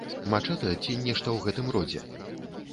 Мачэтэ ці нешта ў гэтым родзе?